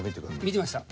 見てました。